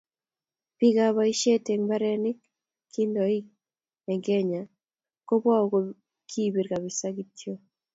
Biikab bosie eng mbarenik kindonik eng Kenya Kpawu ko kipir kabisa kiyoto.